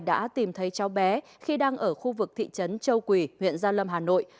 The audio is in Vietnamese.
đã tìm thấy cháu bé khi đang ở khu vực thị trấn châu quỳ huyện gia lâm hà nội